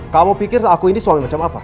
kamu pikir aku ini soalnya macam apa